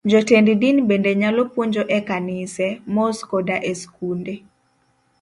Jotend din bende nyalo puonjo e kanise, mosque koda e skunde